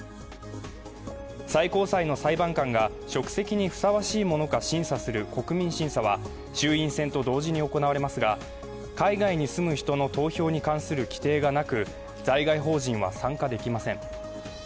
最高裁の裁判官が職責にふさわしいものか審査する国民審査は衆院選と同時に行われますが、海外に住む人の投票に関する規程がなく在外邦人は参加できません。